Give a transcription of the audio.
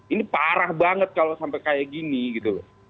ini parah banget kalau sampai kayak gini gitu loh